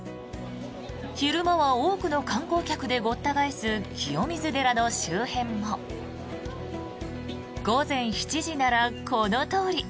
昼間は多くの観光客でごった返す清水寺の周辺も午前７時ならこのとおり。